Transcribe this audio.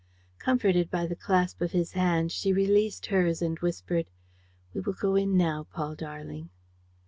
Comforted by the clasp of his hand, she released hers and whispered: "We will go in now, Paul darling."